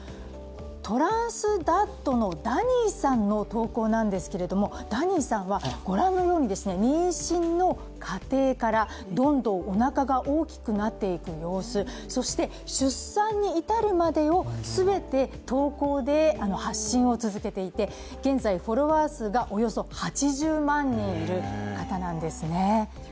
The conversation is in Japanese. トランスダッドのダニーさんの投稿ですがダニーさんは妊娠の過程からどんどんおなかが大きくなっていく様子、そして、出産に至るまでのすべてを投稿で発信を続けていて現在フォロワー数がおよそ８０万人いる方なんですね。